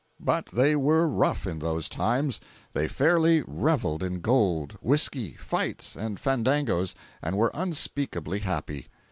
But they were rough in those times! They fairly reveled in gold, whisky, fights, and fandangoes, and were unspeakably happy.